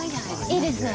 いいですね。